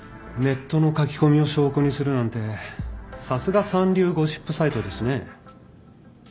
ネットの書き込みを証拠にするなんてさすが三流ゴシップサイトですね。